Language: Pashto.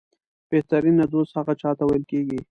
بهترینه دوست هغه چاته ویل کېږي